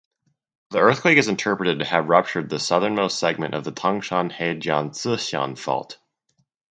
The earthquake is interpreted to have ruptured the southernmost segment of the Tangshan–Heijian–Cixian Fault.